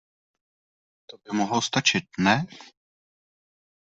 To by mohlo stačit, ne?